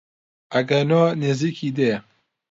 ئەگەنۆ نزیکی دێ